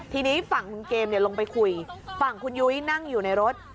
ทีนี้ฝั่งคุณเกมลงไปคุยฝั่งคุณยุ้ยนั่งอยู่ในรถ